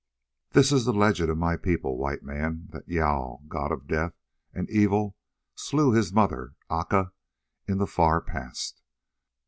"This is the legend of my people, White Man, that Jâl, God of Death and Evil, slew his mother, Aca, in the far past.